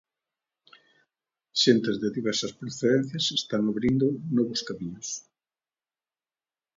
Xentes de diversas procedencias están abrindo novos camiños.